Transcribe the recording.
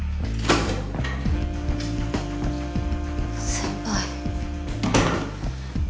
先輩。